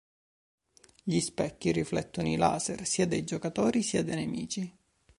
Gli specchi riflettono i laser, sia dei giocatori sia dei nemici.